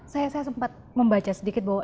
saya sempat membaca sedikit bahwa